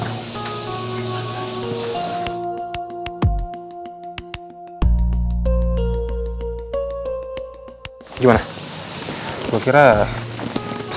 apakah ini orang jogja beams